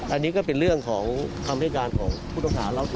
อันนี้ก็เป็นเรื่องของความให้การของผู้ตำราเล่าถูก